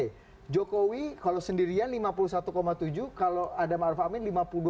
pak jokowi kalau sendirian lima puluh satu tujuh kalau ada pak arief amin lima puluh dua tiga